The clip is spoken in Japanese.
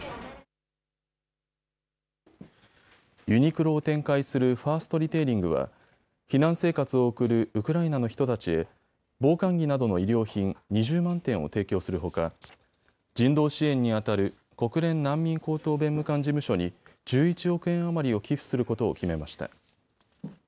ユニクロを展開するファーストリテイリングは避難生活を送るウクライナの人たちへ防寒着などの衣料品２０万点を提供するほか、人道支援にあたる国連難民高等弁務官事務所に１１億円余りを寄付することを決めました。